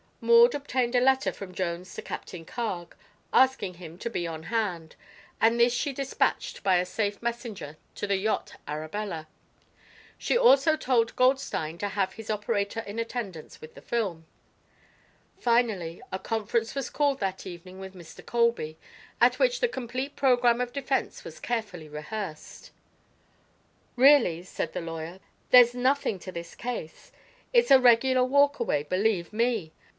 Maud obtained a letter from Jones to Captain Carg, asking him to be on hand, and this she dispatched by a safe messenger to the yacht Arabella. She also told Goldstein to have his operator in attendance with the film. Finally, a conference was called that evening with Mr. Colby, at which the complete program of defense was carefully rehearsed. "Really," said the lawyer, "there's nothing to this case. It's a regular walkaway, believe me!